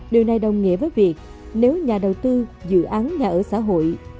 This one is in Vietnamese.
điều này đồng nghĩa với việc nếu nhà đầu tư dự án nhà ở xã hội